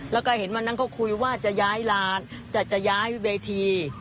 แล้วก็เห็นวันนั้นก็คุยว่าจะย้ายร้านจะย้ายเวที